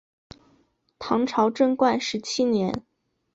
唐朝贞观十七年。